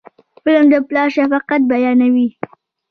فلم د پلار شفقت بیانوي